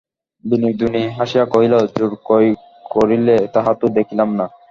বিনোদিনী হাসিয়া কহিল, জোর কই করিলে, তাহা তো দেখিলাম না।